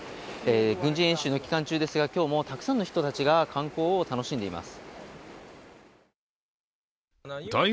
軍事演習の期間中ですが今日もたくさんの人たちが観光を楽しんでいます。